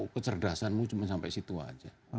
kecerdasanmu cuma sampai situ aja